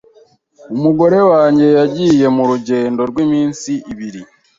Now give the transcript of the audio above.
Umugore wanjye yagiye murugendo rwiminsi ibiri.